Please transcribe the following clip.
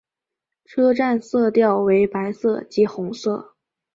车站色调为白色及红色。